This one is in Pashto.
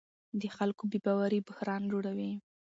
د خلکو بې باوري بحران جوړوي